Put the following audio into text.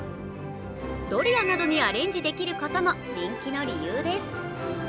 ドリアなどにアレンジできることも人気の理由です。